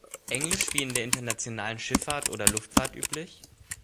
Englisch wie in der internationalen Schifffahrt oder Luftfahrt üblich?